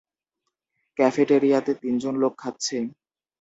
ক্যাফেটেরিয়াতে তিনজন লোক খাচ্ছে।